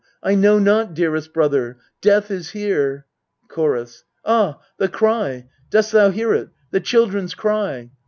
I know not, dearest brother. Death is here ! Chorus. Ah, the cry ! dost thou hear it ? the chil dren's cry